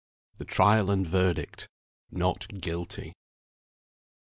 THE TRIAL AND VERDICT "NOT GUILTY."